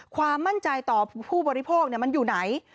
ความมั่นใจต่อผู้บริโภคมันอยู่ไหน